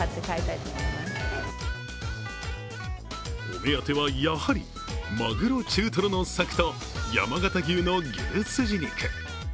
お目当てはやはりマグロ中トロの柵と山形牛の牛スジ肉。